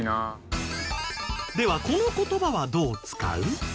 ではこの言葉はどう使う？